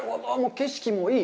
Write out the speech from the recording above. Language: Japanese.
景色もいい！